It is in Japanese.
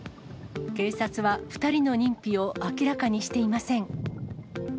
警察は、２人の認否を明らかにしていません。